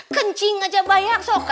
kencing aja bayar sok